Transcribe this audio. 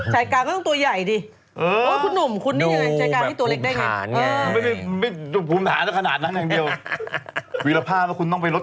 ชายกลางก็ต้องเป็นตัวใหญ่คุณหนุ่มคุณนี่ในชายกลางแบบตัวเล็กได้ไง